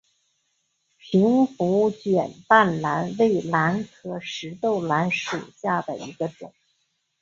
瓶壶卷瓣兰为兰科石豆兰属下的一个种。